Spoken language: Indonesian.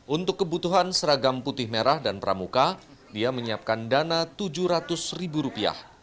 untuk kebutuhan seragam putih merah dan pramuka dia menyiapkan dana rp tujuh ratus ribu rupiah